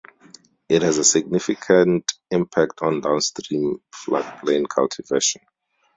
It has had significant impact on downstream floodplain cultivation.